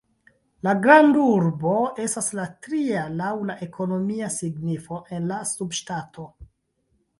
La grandurbo estas la tria laŭ la ekonomia signifo en la subŝtato.